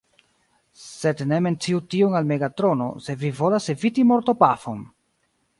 Sed ne menciu tion al Megatrono, se vi volas eviti mortopafon!